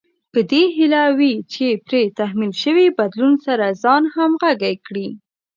په دې هيله وي چې پرې تحمیل شوي بدلون سره ځان همغږی کړي.